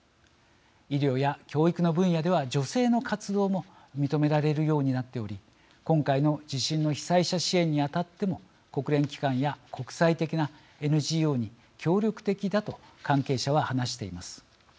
医療や教育の分野では女性の活動も認められるようになっており今回の地震の被災者支援に当たっても国連機関や国際的なＮＧＯに協力的だと関係者は話しています。